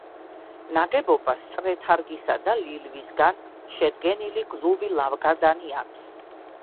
ნაგებობას წრეთარგისა და ლილვისაგან შედგენილი გლუვი ლავგარდანი აქვს.